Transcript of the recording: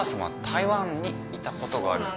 台湾に行ったことがある？